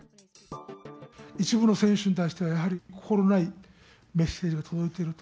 一部の選手に対しては、やはり心ないメッセージが届いていると。